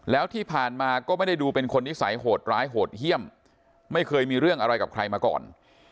แล้วที่ผ่านมาก็ไม่ได้ดูเป็นคนนิสัยโหดร้ายโหดเยี่ยมไม่เคยมีเรื่องอะไรกับใครมาก่อน